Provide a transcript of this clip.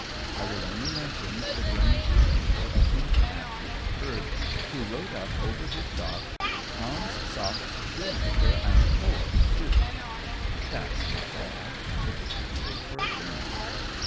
I will only mention the German shoemaker, of whom perhaps you have heard, who wrote up over his shop, "Hans Saxs shoe Maker and poet too." That's not bad, particularly for a German.